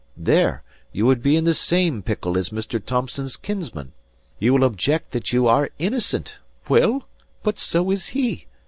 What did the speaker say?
There, you would be in the same pickle as Mr. Thomson's kinsman. You will object that you are innocent; well, but so is he.